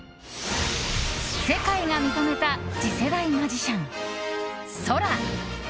世界が認めた次世代マジシャンＳＯＲＡ。